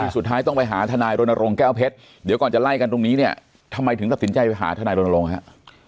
สุดท้ายต้องไปหาทนายรณรงค์แก้วเพชรเดี๋ยวก่อนจะไล่กันตรงนี้เนี่ยทำไมถึงตัดสินใจไปหาทนายรณรงค์ฮะ